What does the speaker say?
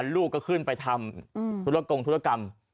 ลูกก็ขึ้นไปทำธุรกงธุรกรรม